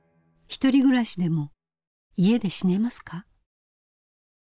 ひとり暮らしでも家で死ねますか？